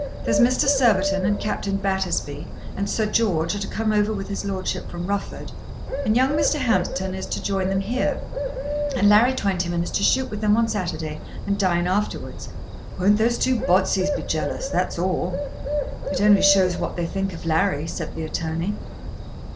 There's Mr. Surbiton and Captain Battersby and Sir George are to come over with his lordship from Rufford. And young Mr. Hampton is to join them here, and Larry Twentyman is to shoot with them on Saturday and dine afterwards. Won't those two Botseys be jealous; that's all?" "It only shows what they think of Larry," said the attorney.